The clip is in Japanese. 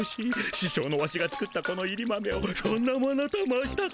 ししょうのワシが作ったこのいり豆をそんなものと申したか。